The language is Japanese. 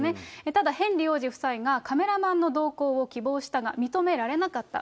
ただヘンリー王子夫妻がカメラマンの同行を希望したが認められなかった。